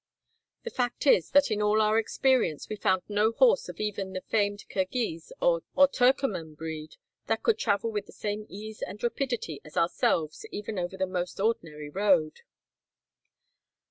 The fact is that in all our experience we found no horse of even the famed Kirghiz or Turkoman breed that could travel with the same ease and rapidity as ourselves even over the most ordinary road.